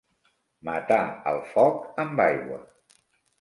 Matar el foc amb aigua.